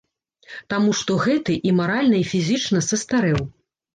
Таму што гэты і маральна, і фізічна састарэў.